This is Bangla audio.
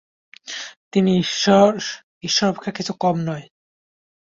তিনি ঈশ্বর, ঈশ্বর অপেক্ষা কিছু কম নন।